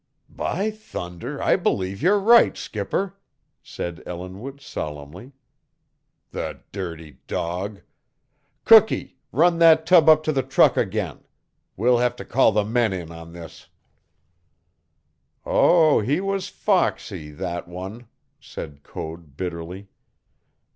"By thunder, I believe you're right, skipper!" said Ellinwood solemnly. "The dirty dog! Cookee, run that tub up to the truck again. We'll have to call the men in on this." "Oh, he was foxy, that one!" said Code bitterly.